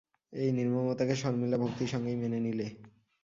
এই নির্মমতাকে শর্মিলা ভক্তির সঙ্গেই মেনে নিলে।